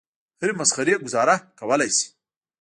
هرې مسخرې ګوزاره کولای شي.